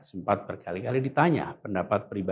saya sempat berkali kali ditanya pendapat berikutnya